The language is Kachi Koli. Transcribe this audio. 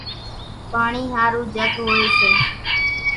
پاڻِي ۿارُو جھڳ هوئيَ سي۔